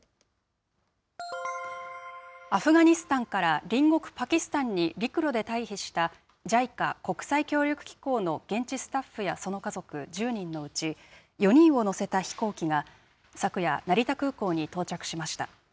アフガニスタンから隣国パキスタンに陸路で退避した、ＪＩＣＡ・国際協力機構の現地スタッフやその家族１０人のうち、４人を乗せた飛行機が昨夜、成田空港に到着しました。